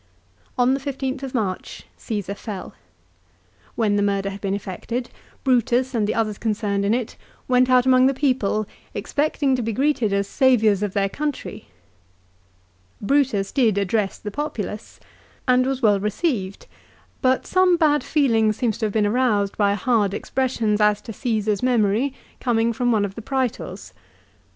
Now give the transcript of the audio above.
On the 15th of March Csesar fell. When the murder had been effected Brutus and the others concerned in it went out among the people expecting to be greeted as saviours of their country. Brutus did address the populace and was well 1 Mommsen, Book v. xi. 214 LIFE OF CICERO. received ; but some bad feeling seems to have been aroused by hard expressions as to Caesar's memory coming from one of the Praetors.